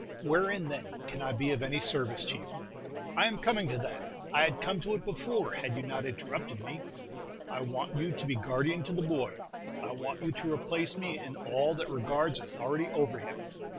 "Wherein, then, can I be of any service to you?" "I am coming to that. I had come to it before, had you not interrupted me. I want you to be guardian to the boy. I want you to replace me in all that regards authority over him.